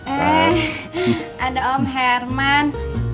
eh ada om herman